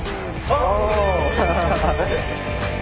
お！